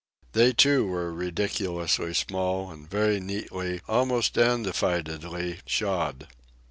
They, too, were ridiculously small and very neatly, almost dandifiedly, shod.